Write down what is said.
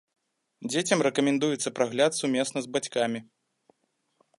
Дзецям рэкамендуецца прагляд сумесна з бацькамі.